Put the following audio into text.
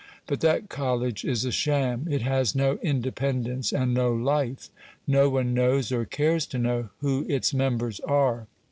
But that college is a sham; it has no independence and no life. No one knows, or cares to know, who its members are.